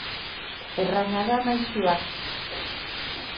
Errana da, maisuak.